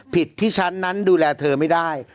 ที่ฉันนั้นดูแลเธอไม่ได้